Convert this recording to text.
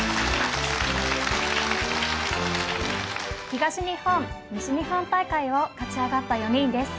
東日本西日本大会を勝ち上がった４人です。